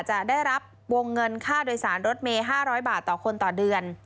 จะได้รับวงเงินค่าโดยสารรถเมย์๕๐๐บาทต่อคนต่อเดือน